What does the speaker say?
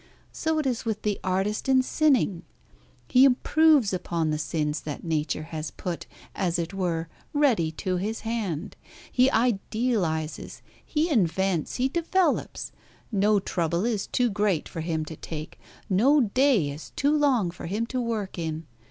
So it is with the artist in sinning. He improves upon the sins that Nature has put, as it were, ready to his hand. He idealises, he invents, he develops. No trouble is too great for him to take, no day is too long for him to work in.